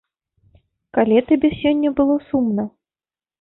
Калі табе сёння было сумна?